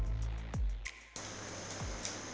nah kalau aku buka seperti ini tinggal digunting